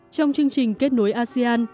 trong chương trình kết nối asean